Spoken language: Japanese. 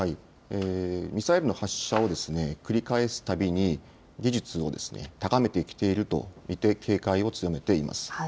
ミサイルの発射を繰り返すたびに技術を高めてきていると見て警戒を強めています。